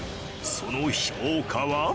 その評価は？